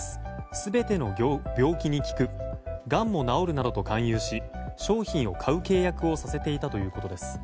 全ての病気に効くがんも治るなどと勧誘し商品を買う契約をさせていたということです。